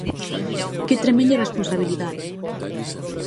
¡Que tremenda irresponsabilidade!